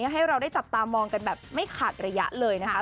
ให้เราได้จับตามองกันแบบไม่ขาดระยะเลยนะคะ